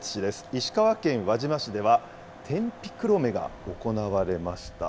石川県輪島市では、天日黒目が行われました。